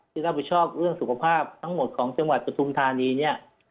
ที่รับผิดชอบเรื่องสุขภาพทั้งหมดของจังหวัดปฐุมธานีเนี่ย